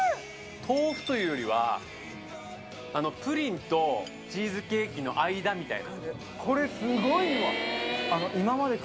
豆腐といわれるよりは、プリンとチーズケーキの間みたいな。